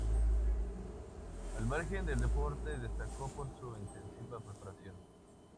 Al margen del deporte, destacó por su intensiva preparación.